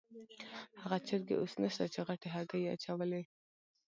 هغه چرګې اوس نشته چې غټې هګۍ یې اچولې.